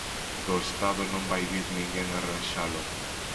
Do Estado non vai vir ninguén arranxalo.